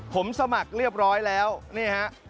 ผมสมัครเรียบร้อยแล้วนี่ฮะ